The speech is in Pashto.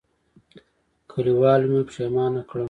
کلیوالو مې پښېمانه کړم.